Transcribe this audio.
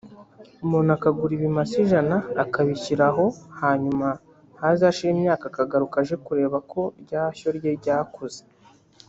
umuntu akagura ibimasa ijana akabishyira aho hanyuma hazashira imyaka akagaruka aje kureba ko rya shyo rye ryakuze